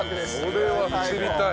それは知りたい。